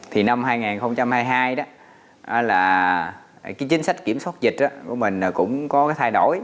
thì năm hai nghìn hai mươi hai đó là cái chính sách kiểm soát dịch của mình cũng có cái thay đổi